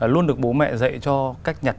luôn được bố mẹ dạy cho cách nhặt